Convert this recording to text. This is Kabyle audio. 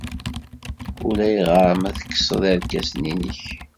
Ulayɣer ma tekksed irkasen-nnek.